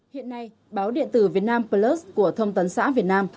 hiện nay báo điện tử việt nam plus của thông tấn xã việt nam